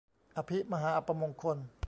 อภิมหาอัปมงคล